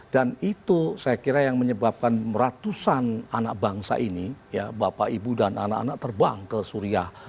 dan itu saya kira yang menyebabkan ratusan anak bangsa ini ya bapak ibu dan anak anak terbang ke suriah